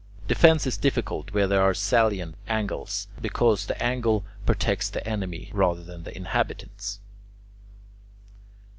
Defence is difficult where there are salient angles, because the angle protects the enemy rather than the inhabitants.